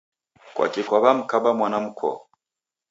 kwaki kwaw'amkaba mwana mkoo?